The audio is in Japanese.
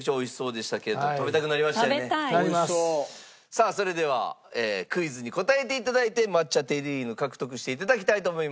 さあそれではクイズに答えて頂いて抹茶テリーヌ獲得して頂きたいと思います。